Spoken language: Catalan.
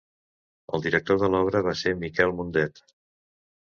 El director de l'obra va ser Miquel Mundet.